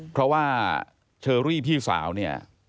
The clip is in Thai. เพราะว่าเชอรี่พี่สาวเนี่ย